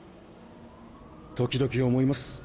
時々思います